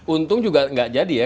untung juga nggak jadi ya